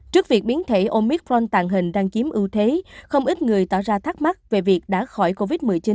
trước việc biến thể omicron tàn hình đang chiếm ưu thế không ít người tỏ ra thắc mắc về việc đã khỏi covid một mươi chín